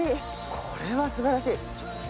これはすばらしい。